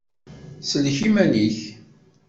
Sellek iman-ik!